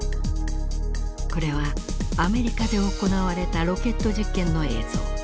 これはアメリカで行われたロケット実験の映像。